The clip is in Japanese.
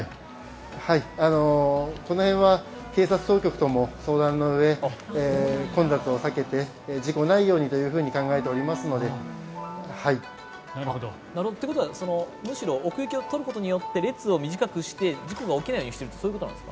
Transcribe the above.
この辺は警察当局とも相談のうえ混雑を避けて事故がないようにと考えておりますので。ってことはむしろ奥行きを取ることによって列を短くして、事故が起きないようにしてるというそういうことなんですか？